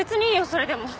それでも。